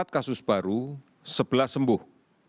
empat kasus baru sebelas sembuh